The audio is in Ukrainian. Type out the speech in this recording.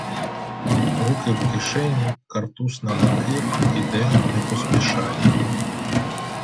Руки в кишені, картуз набакир, іде, не поспішає.